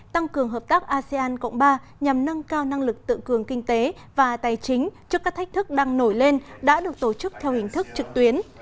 tăng cường hợp tác asean cộng ba nhằm nâng cao năng lực tự cường kinh tế và tài chính trước các thách thức đang nổi lên đã được tổ chức theo hình thức trực tuyến